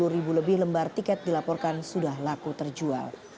sepuluh ribu lebih lembar tiket dilaporkan sudah laku terjual